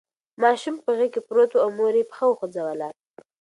ماشوم په غېږ کې پروت و او مور یې پښه خوځوله.